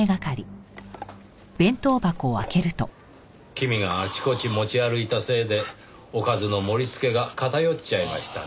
君があちこち持ち歩いたせいでおかずの盛りつけが片寄っちゃいましたねぇ。